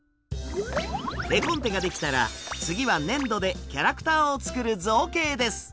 絵コンテができたら次は粘土でキャラクターを作る造形です！